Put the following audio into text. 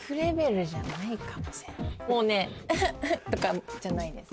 もうねウッウッとかじゃないです